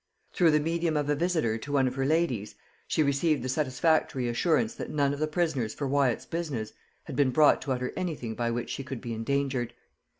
Through the medium of a visitor to one of her ladies, she received the satisfactory assurance that none of the prisoners for Wyat's business had been brought to utter any thing by which she could be endangered.